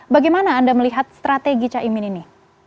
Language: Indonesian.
bagaimana anda melihat strategi cak imin ini